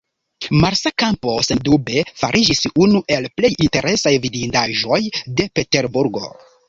Marsa Kampo, sendube, fariĝis unu el plej interesaj vidindaĵoj de Peterburgo.